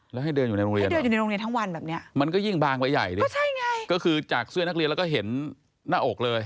แล้วให้เดินอยู่ในโรงเรียนหรอมันก็ยิ่งบางไปใหญ่ดิก็คือจากเสื้อนักเรียนแล้วก็เห็นหน้าอกเลย